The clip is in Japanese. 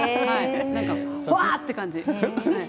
なんか、うわーって感じ。